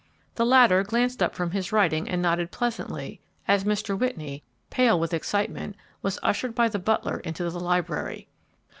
The latter glanced up from his writing and nodded pleasantly, as Mr. Whitney, pale with excitement, was ushered by the butler into the library.